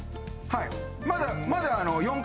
はい。